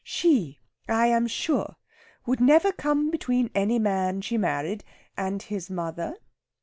She, I am sure, would never come between any man she married and his mother.